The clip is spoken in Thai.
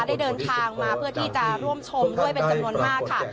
ได้เดินทางมาเพื่อที่จะร่วมชมด้วยเป็นจำนวนมากค่ะ